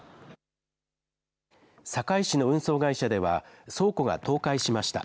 堺市の運送会社では倉庫が倒壊しました。